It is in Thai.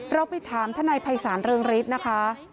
เราไปถามทนายภัยศาลเรืองฤทธิ์นะคะ